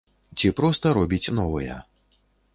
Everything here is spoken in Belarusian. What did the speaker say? Ці проста робіць новыя.